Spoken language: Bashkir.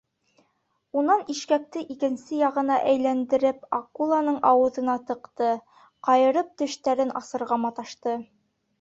Унан ишкәкте икенсе яғына әйләндереп, акуланың ауыҙына тыҡты, ҡайырып тештәрен асырға маташты.